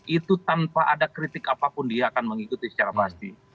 itu tanpa ada kritik apapun dia akan mengikuti secara pasti